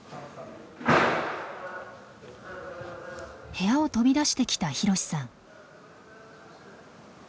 部屋を飛び出してきたひろしさん。